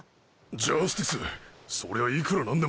ジャスティスそりゃいくら何でも。